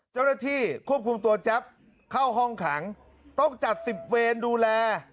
เจ้าหน้าที่ควบคุมตัวแจ๊บเข้าห้องขังต้องจัดสิบเวรดูแล